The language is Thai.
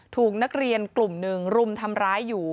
ถูกนักเรียนกลุ่มหนึ่งรุมทำร้ายอยู่